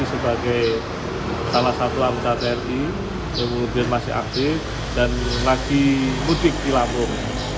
sebagai salah satu anggota tni kemudian masih aktif dan lagi mudik di lampung